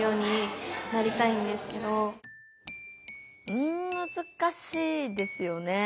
うんむずかしいですよね。